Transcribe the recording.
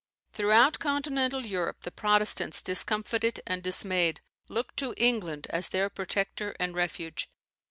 Throughout continental Europe, the Protestants, discomfited and dismayed, looked to England as their protector and refuge.